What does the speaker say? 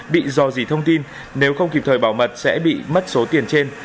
bị dò dỉ thông tin nếu không kịp thời bảo mật sẽ bị mất số tiền trên